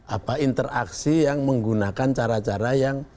apa interaksi yang menggunakan cara cara yang